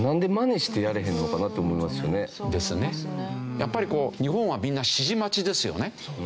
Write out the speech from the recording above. やっぱり日本はみんな指示待ちですよね。